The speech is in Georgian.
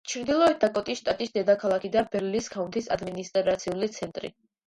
ჩრდილოეთ დაკოტის შტატის დედაქალაქი და ბერლის ქაუნთის ადმინისტრაციული ცენტრი.